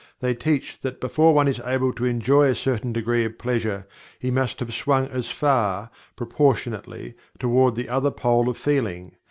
They teach that before one is able to enjoy a certain degree of pleasure, he must have swung as far, proportionately, toward the other pole of feeling.